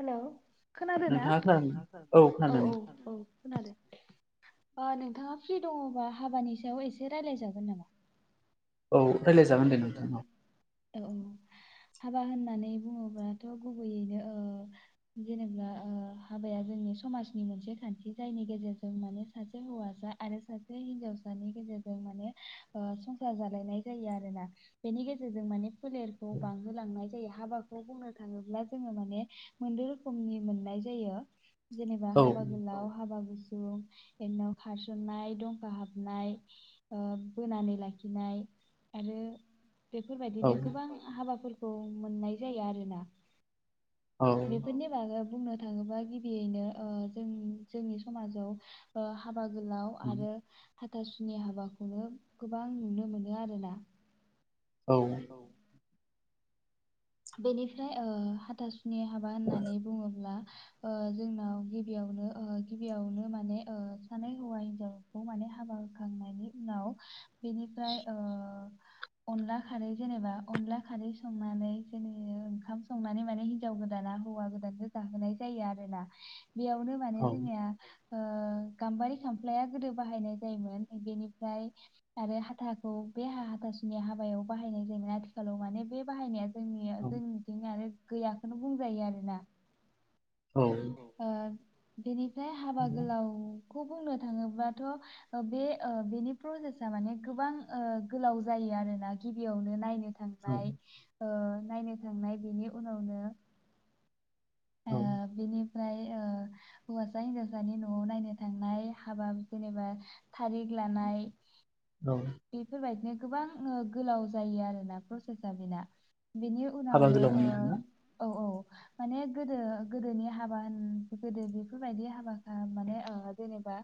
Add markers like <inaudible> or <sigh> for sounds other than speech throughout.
हेल' खोनादों ना औ औ औ खोनादों नोंथांङा फ्रि दङबा हाबानि सायाव एसे रायजलाय जागोन नामा? औ राय्लायजागोन दे नोंथांनाव औ औ हाबा होननानै बुङोब्लाथ'ओ गुबैयैनो जेनेबा ओ हाबाया जोंनि समाजनि मोनसे खान्थि जायनि गेजेरजों माने सासे हौवासा आरो सासे हिन्जावसानि गेजेरजों माने ओ संसार जालायनाय जायो आरोना बेनि गेजेरजों माने फोलेरखौ बांहोलांनाय जायो हाबाखौ बुंनो थाङोब्ला जोङो माने मोनदै रोखोमनि मोननाय जायो जेनेबा हाबा गोलाव हाबा गुसु थ बिनाव खारसननाय दंखा हाबनाय बोनानै लाखिनाय आरो बेफोरबायदिनो गोबां हाबा खौ मोननाय जायो आरोना बेफोरनि बागै बुंनो थाङोबा गिबियैनो जों जोंनि समाजाव हा बागोलाव आरो हाथासुनि हाबाखौनो गोबां नुनो मोनो आरोना औ बेनिफ्राय ओ हाथास सनि हाबा होननानै बुङोब्ला ओ जोंनाव गिबियावनो ओ गिबियावनो माने ओ सानै हौवा हिन्जावखौ माने हाबा होखांनायनि उनाव बेनिफ्राय ओ अनला खारै जेनेबा अनला खारै संनानै दिनो ओंखाम संनानै माने हिनजाव गोदाना हौवा गोदानखौ जाहोनाय जायो आरो ना बेयावनो औ ओ गाम्बारि खामफ्लाया गोदो बाहायनाय जायोमोन बेनिफ्राय आरो हाथाखौ बे हाथासुनि हाबायाव बाहायनाय जायोमोन आथिखालाव माने बे बाहायनाया औ गैयाखौनो बुंजायो आरोना ओ बिनि ओफ्राय हाबा गोलाव खौ बुंनो थाङोब्लाथ' ओ बे ओ बेनि प्रसेसा माने गोबां ओ गोलाव जायो आरोना गिबियावनो नायनो थांनाय। ओ नायनो थांनाय बेनि उनावनो औ। ओमफ्राय ओ हौवासा हिन्जावसानि न'आव नायनो थांनाय हाबा जेनेबा थारिख लानाय। बेफोर बायदिनो। गोबां ओ गोलाव जायो आरोना प्रसेस आ बिना। बेनि उनावनो ओ औ औ। माने गोदो गोदोनि हाबा गोदो बेफोरबायदि हाबा माने ओ जेनेबा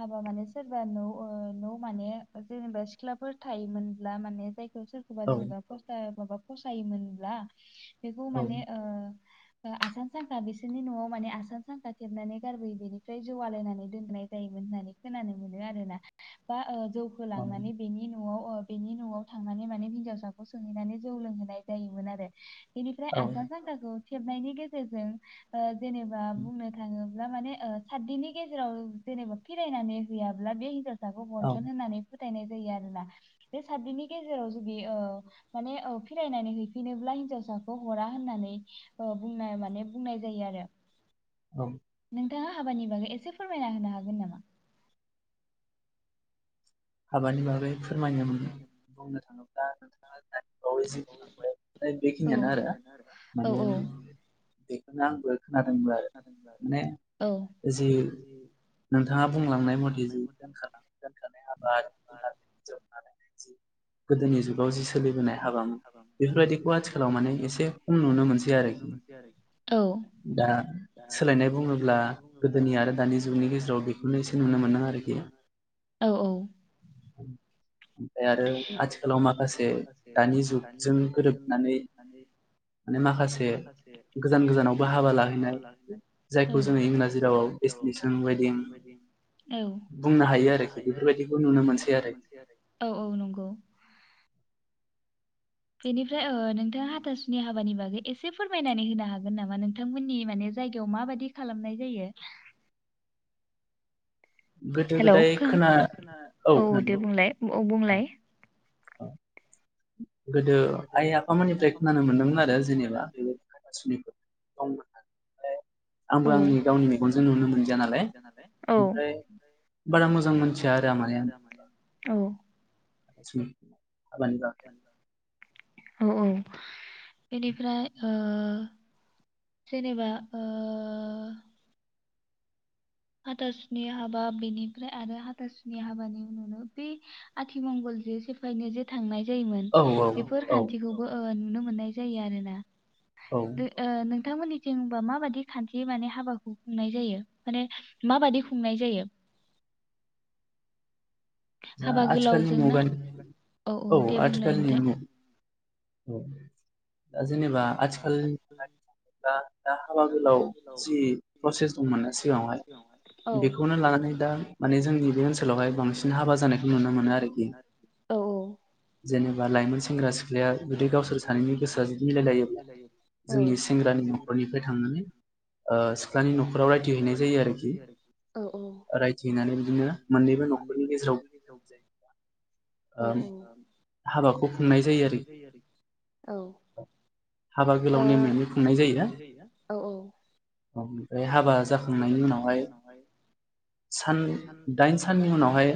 हाबा माने सोरबा न' ओ न' माने जेनेबा सिख्लाफोर थायोमोनब्ला माने जाय सोरखौबा जेनेबा <unintelligible> फसायोमोनब्ला। बेखौ माने ओ आसान सांखा बिसोरनि न'आव माने आसान सांखा खेबनानै गारबोयै बेनिफ्राय जौव आलायनानै दोननाय जायोमोन होननानै खोनानो मोनो आरो ना बा ओ जौखो लांनानै बेनि न'आव ओ बेनि न'आव थांनानै माने हिनजावसाखौ सोंहैनानै जौ लोंहोनाय जायोमोन आरो। बेनिफ्राय आसान सांखाखौ <unintelligible> गेजेरजों ओ जेनेबा बुंनो थाङो माने ओ साडदिननि गेजेराव जेनेबा फिरायनानै हैयाब्ला बे <unintelligible> फिसाखौ हरगोन होननानै फोथायनाय जायो आरोना बे साडदिननि गेजेराव जुदि ओ माने फिरायनानै हैफिनोब्ला हिनजावसाखौ हरा होननानै ओ बुंनाय माने बुंनाय जायो आरो। औ। नोंथाङा हाबानि बागै एसे फोरमायना होनो हागोन नामा? हाबानि बागै फोरमायनो मोनो बुंनो थाङोब्ला नोंथाङा दानि बावयैसो जि बेखिनियानो आरो माने <unintelligible> खोनादोंब्ला माने जि नोंथाङा बुंलांनाय मथे जे दोन दोनखानाय <inaudible> गोदोनि जुगाव जि सोलिबोनाय हाबामोन बेफोरबायदिखौ आथिखालाव माने एसे खम नुनो मोनसै आरोखि दा सोलायनाय बुङोब्ला गोदोनि आरो दानि जुगनि गेजेराव बेखौनो एसे नुनो मोनदों आरोखि। <inaudible> ओमफ्राय आरो आथिखालाव माखासे दानि जुगजों गोरोबनानै माने माखासे गोजान गोजानावबो हाबा लाहैनाय जायखौ जोङो इंराजि रावाव डेस्टिनेसन वेदिं बुंनो हायो आरोखि बेफोरबायदि नुनो मोनसै आरो औ औ नंगौ बेनिफ्राय ओ नोंथाङा हाथासुनि हाबानि बागै एसे फोरमायनानै होनो हागोन नामा नोंथांमोननि माने जायगायाव माबायदि खालामनाय जायो? हेल' औ दे बुंलाय औ बुंलाय औ गोदो आइ आफामोननिफ्राय खोनानो मोन्दोंमोन आरो जेनेबा बे हाथासुनिफोर दंमोन। आंबो आंनि गावनि मेगनजों नुनो मोनदिया नालाय ओमफ्राय बारा मोजां मोनानथिया आरो माने आं हाथासुनि हाबानि बागै औ औ बेनिफ्राय ओ जेनेबा ओ हाथासुनि हाबा बेनिफ्राय आरो हाथासुनि हाबानि उनावनो बे आथिमंगल जे सेफायनो जे थांनाय जायोमोन बेफोर खान्थिखौबो नुनो मो मोननाय जायो आरोना। दो ओ नों नोंथांमोननिथिं ओमबा माबादि खान्थियै माने हाबाखौ खुंनाय जायो माने माबादि खुंनाय जायो? जा आथिखालनि मुगानि औ आथिखालनि मु औ ओ जेनेबा आथिखाल दा हाबा गोलाव जि प्रसेस दंमोन ना सिगाङावहाय बेखौनो लानानै दा माने जोंनि बे ओनसोलावहाय बांसिन हाबा नु मोन आरो जेनेबा लाइमोन सेंग्रा सिख्लाया जुदि गावसोर सानैनि गोसोआ जुदि मिलायलायो औ औऔ औऔ औ ओ औऔ बे हाबा जाखांनायनि उनावहाय सान दाइन साननि उनावहाय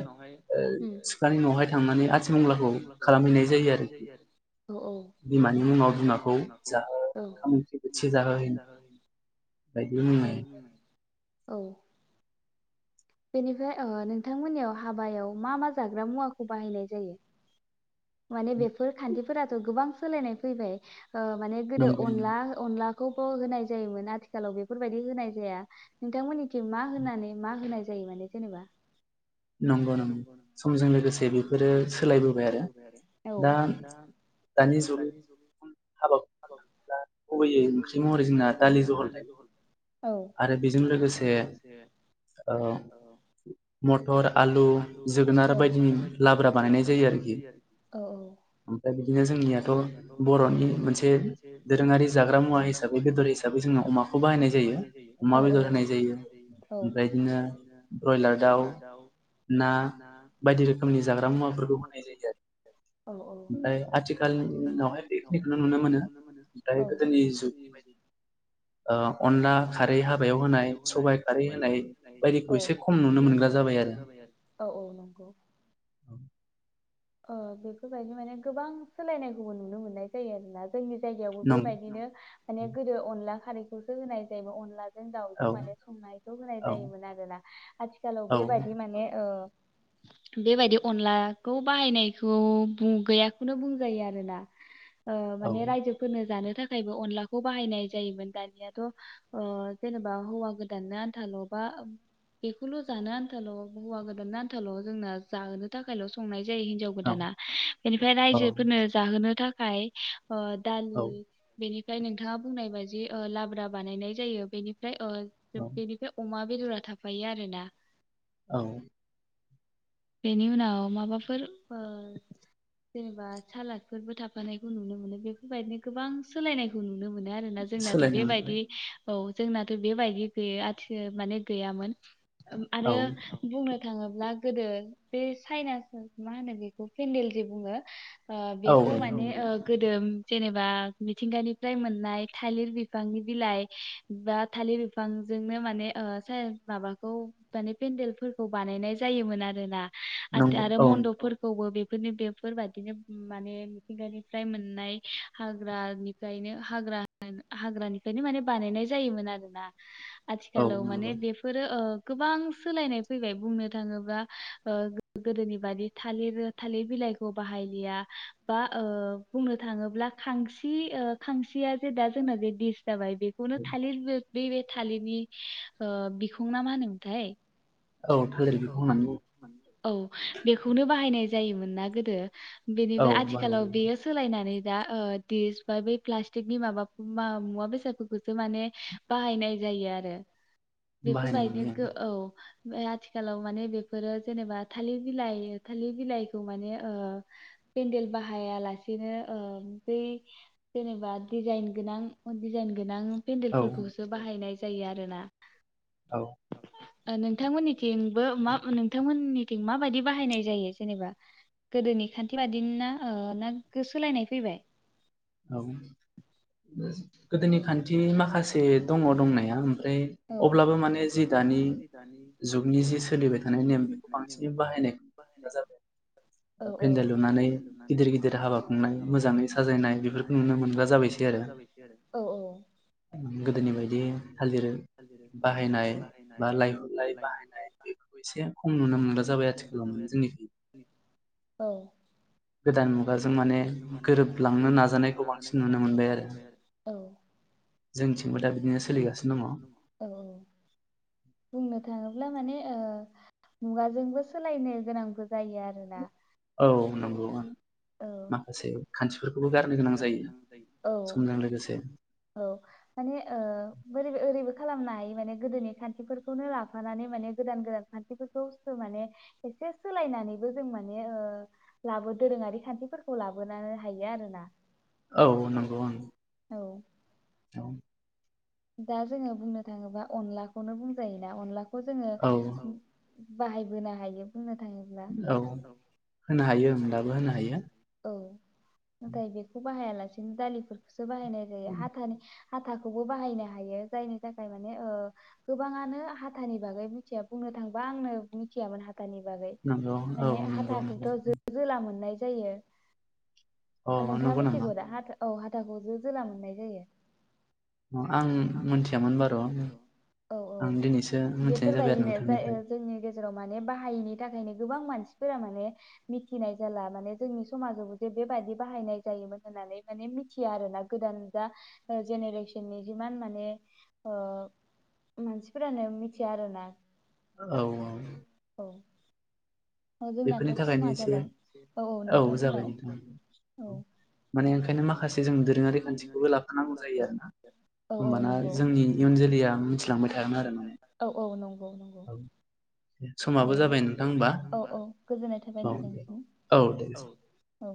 ओम औऔ औ औ औ बेनिफ्राय ओ नोंथांमोननियाव हाबायाव मा मा जाग्रा मुवाखौ बाहायनाय जायो? माने बेफोर खान्थि फोरथ' गोबां सोलायनाय फैबाय ओ माने गोदो अनला अनला होनाय जायोमोन आथिखालाव बेफोरबायदि होनाय जाया नोंथांमोननि खि मा होनानै मा होनाय जायो माने जेनेबा नंगौ नंगौ समजों लोगोसे बेफोरो सोलायबोबाय आरो दा दानि जुग हाबाखौ थोब्ला गुबैयै ओंख्रि महरै जोंना दालि जहल थायबाय आरो बेजों लोगोसे मत मटर आलु जोगार बायदिनि लाब्रा बानायनाय जायो आरोखि बिदिनो जोंनियाथ' बर'नि मोनसे दोरोङारि जाग्रा मुवा हिसाबै बेदर हिसाबै जोंङो अमाखौ बाहायनाय जायो अमा बेदर होनाय जायो बिदिनो बयलार दाव ना बायदि रोखोमनि जाग्रा मुवाफोरखौ होनाय जायो आरो औ-औ दायो आथिखानि दिनावहाय बेखिनिखौनो नुनो मोनो औ गोदोनि अनला खारै हाबायाव होनाय सबायाइ खारै होनाय औ बायदिखौ एसे खम नुनो मोनग्रा जाबाय आरो औ औ नंगौ ओ बेफोरबायदि माने गोबां सोलायनायखौबो नुनो मोननाय जायो आरोना जोंनि जायगायावबो बेबायदिनो माने गोदो अनला खारिखौसो होनाय जायो अनला। दाउजों माने संनायखौ होनाय जायोमोन आरोना आथिखालाव बेबादि माने। बेबायदि अनलाखौ। बाहायनायखौ गैयाखौनो बुंजायो आरोना। माने रायजोफोरनो जानो। थाखायबो अनलाखौ बाहायनाय जायोमोन दानियाथ' जेनेबा हौवा गोदाननो आन्थाल' बा बेखौल' जानो आनथाल' हौवा गोदाननो आनथाल' जोंना जानो थाखायल' संनाय। हिनजाव गोदाना बेनिफ्राय रायजोफोरनो जाहोनो थाखाय। <inaudible> ओ दालि बेनि ओमफ्राय नोंथाङा बुंनाय बायदि लाब्रा बानायनाय जायो बेनि। ओफ्राय बेनिफ्राय अमा। बेदरा थाफायो आरोना। औ। बेनि उनाव माबा। जेनेबा सालादफोरबो थाफानायखौ नुनो मोनो बेफोर बायदिनो गोबां सोलायनायखौ नुनो मोनो। मोनो आरोना जोंनाथ' बेबायदि। औ जोंनाथ' बेबायदि गैया आथि माने गैयामोन। आरो बुंनो। थाङोब्ला गोदो बे चाइनासो। मा होनो बेखौ फेन्देल जे बुङो। बेखौ माने गोदो। जेनेबा मिथिंगानिफ्राय मोननाय थालिर बिफांनि बिलाइ बा थालिर बिफांजोंनो माने माबाखौ माने पेन्देलफोरखौ बानायनाय जायोमोन आरोना। नंगौ। मन्दबफोरखौ। बेफोरनो बेफोरबायदिनो माने मिथिंगानिफ्राय मोननाय हाग्रानिफ्रायनो हाग्रानिफ्रायनो माने बानायनाय जायोमोन आरोना। आथिखालाव माने बेफोरो। गोबां सोलायनाय फैबाय बुंनो थाङोब्ला‌ गोदोनि बादि थालिर थालिर बिलाइखौ बाहायलिया बा बुंनो थाङोब्ला खांसि खांसिया जे दा जोंना जे। जाबाय बेखौनो थालिर। बै बे थालिरनि बिखुंना मा होनोमोनथाय। औ थालिर बिखुं होननानै बुंङो। औ बेखौनो बाहायनाय जायोमोनना गोदो। बेनिफ्राय आथिखालाव बेयो सोलायनानै दा दिस्क बा बै प्लास्टिकनि माबा मुवा बेसादफोरखौसो माने बाहायनाय जायो आरो। बेफोरबायदिनो औ। बे आथि आथिखालाव माने बेफोरो जेनेबा थालिर बिलाइ थालिर बिलाइखौ माने ओ पेननदेल बाहायालासेनो ओ बै जेनेबा डिजाइन गोनां डिजाइन गोनां पेन्देलफोरखौसो बाहायनाय जायो आरोना औ ओ नोंथांमोननि थिंबो मा नोंथांमोननिथिं माबायदि बाहायनाय जायो जेनेबा गोदोनि खान्थि बादि ना ओ ना सोलायनाय फैबाय औ गोदोनि खान्थि माखासे दङ दंनाया ओमफ्राय अब्लाबो माने जि दानि जुगनि जि सोलिबाय थानाय नेम बेखौ बांसिनै बाहायनायखौ जाबाय पेन्देल लुनानै गिदिर गिदिर हाबा खुंनाय मोजाङै साजायनाय बे नुनो मोनग्रा जाबायसै आरो गोदोनि बायदि थालिर बाहायनाय बा लाइ हलाय बाहायनाय बेखौ एसे खम नुनो मोनग्रा जाबाय आथिखालाव जोंनिखै औ गोदान मुगाजों माने गोरोबलांनो नाजानायखौ बांसिन नुनो मोनबाय आरो औ औ औ बुंनो थाङोब्ला माने ओ मुगाजोंबो सोलायनो गोनांबो जायो आरोना औ नंगौ ओं माखासे खानथिफोरखौबो गारनो गोनां जायो समजों लोगो औ माने ओ बोरै ओरैबो खालामनो हा माने गोदोनि खानथिफोरखौनो लाफानानै माने गोदान गोदान खानथिफोरखौ जोङो माने एसे सोलायनानैबो जों माने ओ लाबो दोरोङारि खानथिफोरखौ लाबोनो हायो आरोना औ नंगौ आं औ ज दा जोङो बुंनो थाङोबा अनलाखौनो बुंजायोना अनला खौ जोङो बाहायबोनो हायो बुंनो <unintelligible> औ नाथाय बेखौ बाहायालासेनो दालिफोरखौसो बाहायनाय जायो हाथानि हाथाखौबो बाहायनो हायो जायनि थाखाय माने ओ गोबाङानो हाथानि बागै मिथिया बुंनो थांबा आं मिथियामोन हाथानि बागै माने हाथाखौथ' जो जोला मोननाय जायो ओ नोंथाङा मिथिगौदा हाथा औ हाथाखौ जो जोला मोननाय जायो। आं मोनथियामोन बार' आं दिनैसो मोनथिनाय जाबाय आरो नोंथांनिफ्राय जेराव माने बाहायैनि थाखायनो गोबां मानसिफोरा माने मिथिनाय जाला माने जोंनि समाजाव जे बेबादि बाहायनाय जायोमोन होननानै माने मिथिया आरो ना गोदान दा ओ जेनेरेसननि जिमान माने ओ मानसिफोरानो मिथिया आरो ना औ औऔ औ जोंनाथ' समा जाबाय औ औ नोंथां बुंलांगौ औ औ नंगौ औ औ नंगौ औ गोजोननाय थाबाय नोंथांनिसिम औ औ